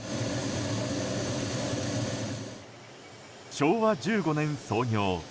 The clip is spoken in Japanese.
昭和１５年創業。